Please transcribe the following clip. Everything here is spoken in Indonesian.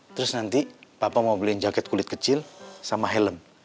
terus nanti papa mau beliin jaket kulit kecil sama helm